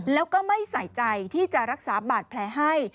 แล้วก็ไม่ใส่ใจที่จะรักษาบาดแผลให้